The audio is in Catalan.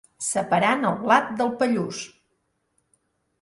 Separant el blat del pallús.